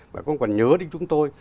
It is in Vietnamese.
và cũng còn nhớ đi chúng tôi